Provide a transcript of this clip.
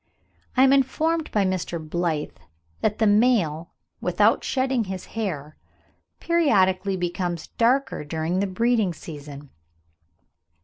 I am informed by Mr. Blyth that the male, without shedding his hair, periodically becomes darker during the breeding season.